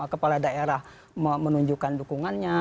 kepala daerah menunjukkan dukungannya